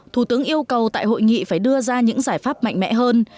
thủ tướng yêu cầu tại hội nghị phải đưa ra những giải pháp mạnh mẽ hơn